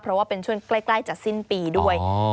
เพราะว่าเป็นช่วงใกล้จะสิ้นปีด้วย